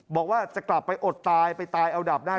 บอกว่าจะกลับไปอดตายไปตายเอาดับได้